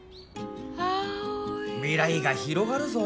未来が広がるぞ。